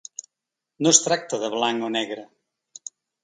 No es tracta de blanc o negre.